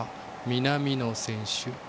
南野選手